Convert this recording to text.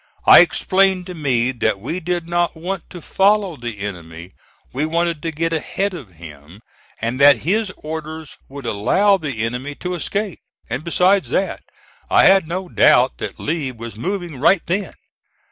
I explained to Meade that we did not want to follow the enemy; we wanted to get ahead of him, and that his orders would allow the enemy to escape, and besides that, I had no doubt that Lee was moving right then.